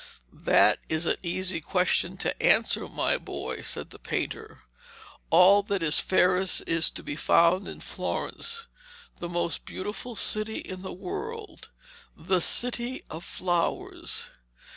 'That is an easy question to answer, my boy,' said the painter. 'All that is fairest is to be found in Florence, the most beautiful city in all the world, the City of Flowers.